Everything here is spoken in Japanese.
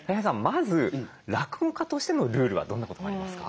まず落語家としてのルールはどんなことがありますか？